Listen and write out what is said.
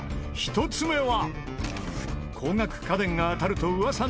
１つ目は。